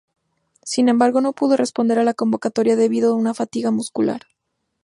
Sin embargo, no pudo responder a la convocatoria debido a una fatiga muscular.